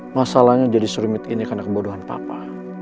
masalahnya jadi serumit ini karena kebodohan papa